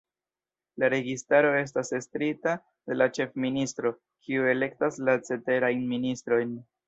La registaro estas estrita de la Ĉefministro, kiu elektas la ceterajn ministrojn.